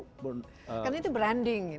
karena itu branding